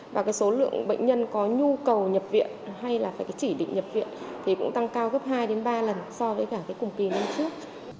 và cái số lượng bệnh nhân có nhu cầu nhập viện hay là phải chỉ định nhập viện thì cũng tăng cao gấp hai đến ba lần so với cả cái cùng kỳ năm trước